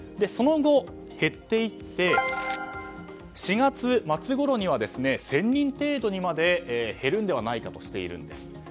その後、減っていって４月末ごろには１０００人程度まで減るのではないかとしています。